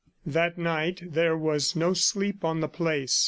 That night there was no sleep on the place.